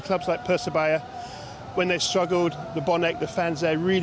di klub klub seperti persibaya